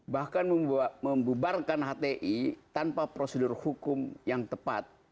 bahkan membubarkan hti tanpa prosedur hukum yang tepat